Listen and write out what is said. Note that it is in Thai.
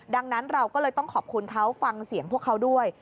ดังนั้นเราก็เลยต้องขอบคุณเขาฟังเสียงพวกเขาด้วย